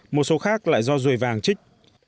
một số khác lại do rùi vàng trích